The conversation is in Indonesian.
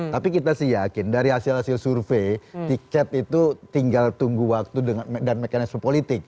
tapi kita sih yakin dari hasil hasil survei tiket itu tinggal tunggu waktu dan mekanisme politik